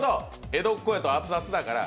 江戸っ子やと熱々だから。